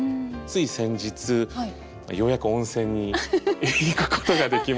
つい先日ようやく温泉に行くことができまして。